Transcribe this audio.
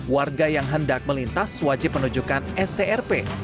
warga yang hendak melintas wajib menunjukkan strp